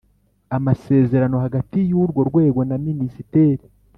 amasezerano hagati y urwo rwego na Minisiteri